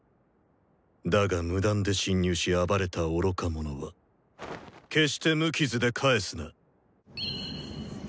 だが無断で侵入し暴れた愚か者は決して無傷で帰すな」。